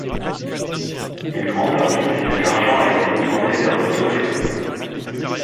Une grande partie de cet argent a été détourné vers d'autres fonds.